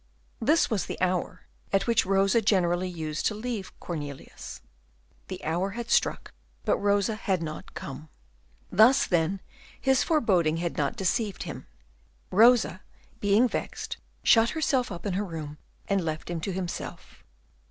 This was the hour at which Rosa generally used to leave Cornelius. The hour had struck, but Rosa had not come. Thus then his foreboding had not deceived him; Rosa, being vexed, shut herself up in her room and left him to himself.